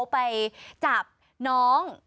เค้าไปจับน้อง